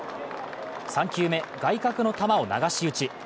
３球目、外角の球を流し打ち。